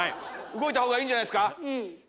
動いた方がいいんじゃないっすか？